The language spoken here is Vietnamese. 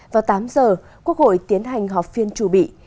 vào tám giờ quốc hội tiến hành họp phiên trù bị